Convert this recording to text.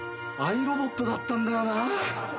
ＡＩロボットだったんだよな。